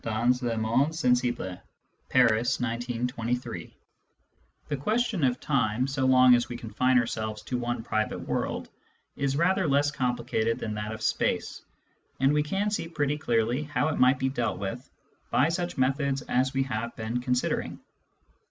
Digitized by Google ii6 SCIENTIFIC METHOD IN PHILOSOPHY (3) Th^ ^"ntinn ^^ tH^, so long as we confine our selves to one private world, is rather less complicated than that of space, and we can see pretty clearly how it might be dealt with by such methods as we have been considering.